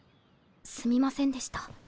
すみませんでした。